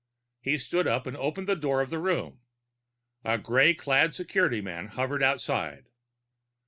He stood up and opened the door of the room. A gray clad security man hovered outside.